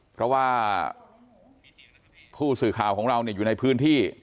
เพราะว่าผู้สื่อข่าวของเราอยู่ในพื้นที่